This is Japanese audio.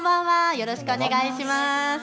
よろしくお願いします。